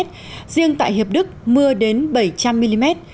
riêng tại hiệp đức mưa đến bảy trăm linh mm